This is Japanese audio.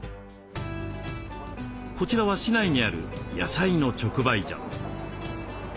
こちらは市内にある野菜の直売所。